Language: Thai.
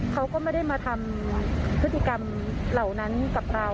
เขาก็ไม่ได้มาทำพฤติกรรมเหล่านั้นกับเรา